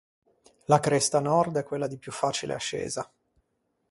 La cresta nord è quella di più facile ascesa.